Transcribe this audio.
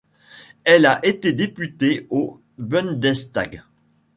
Elle a été députée au Bundestag.